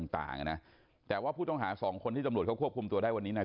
ตอนนี้กำลังจะโดดเนี่ยตอนนี้กำลังจะโดดเนี่ย